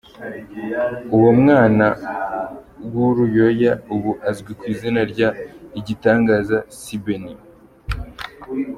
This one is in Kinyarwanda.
Uwo mwana w'uruyoya ubu azwi kw'izina rya "igitangaza c'i Beni".